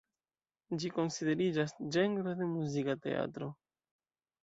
Ĝi konsideriĝas ĝenro de muzika teatro.